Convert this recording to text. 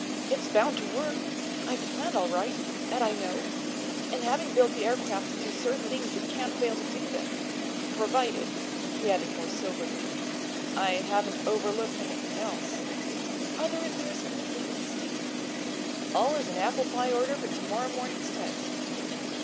"It's bound to work. I've planned all right; that I know; and having built the aircraft to do certain things it can't fail to do them. Provided," he added, more soberly, "I haven't overlooked something else." "Are the repairs completed, Steve?" "All is in apple pie order for to morrow morning's test."